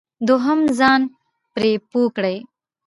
دوهم ځان پرې پوه کړئ.